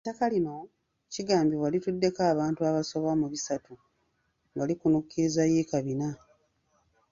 Ettaka lino kigambibwa lituddeko abantu abasoba mu bisatu nga likunukkiriza yiika bina.